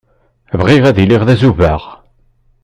Bɣiɣ ad iliɣ d azubaɣ.